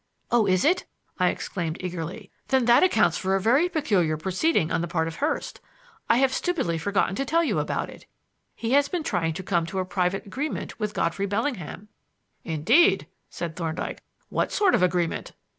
"Oh, is it?" I exclaimed eagerly. "Then that accounts for a very peculiar proceeding on the part of Hurst. I have stupidly forgotten to tell you about it. He has been trying to come to a private agreement with Godfrey Bellingham." "Indeed!" said Thorndyke. "What sort of agreement?"